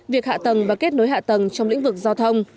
việc hạ tầng và kết nối hạ tầng trong lĩnh vực giao thông